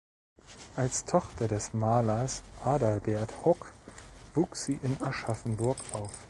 Als Tochter des Malers Adalbert Hock wuchs sie in Aschaffenburg auf.